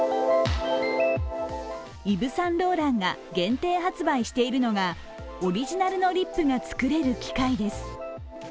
イヴ・サンローランが限定発売しているのがオリジナルのリップが作れる機械です。